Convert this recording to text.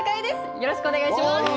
よろしくお願いしますを３、